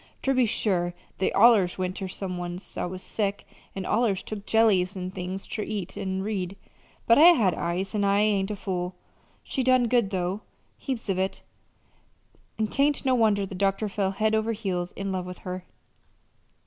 Ter be sure, they allers went ter some one's that was sick, an' allers took jellies an' things ter eat an' read, but I had eyes, an' I ain't a fool. She done good, though heaps of it; an' 'tain't no wonder the doctor fell head over heels in love with her....